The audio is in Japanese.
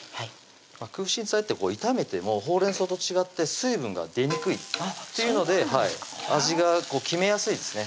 空心菜って炒めてもほうれんそうと違って水分が出にくいっていうので味が決めやすいですね